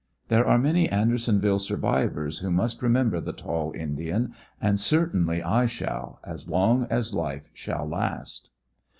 There are many Andersonville survivors who must remember the tall Indian, and certainly I shall, as long as life shall last.